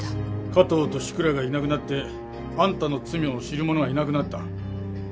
加藤と志倉がいなくなってあんたの罪を知る者はいなくなった。